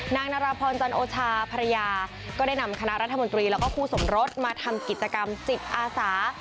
นางนาราพรจันโอชาภรรยาก็ได้นำคณะรัฐมนตรีแล้วก็คู่สมรสมาทำกิจกรรมจิตอาสา